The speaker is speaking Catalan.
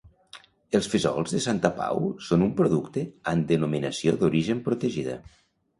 Els Fesols de Santa Pau són un producte amb Denominació d'Origen Protegida.